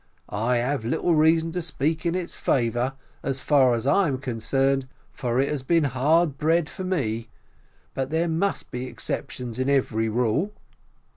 I have little reason to speak in its favour, as far as I am concerned, for it has been hard bread to me, but there must be exceptions in every rule.